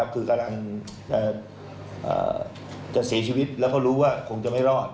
คือกำลังจะเสียชีวิตแล้วก็รู้ว่าคงจะไม่รอด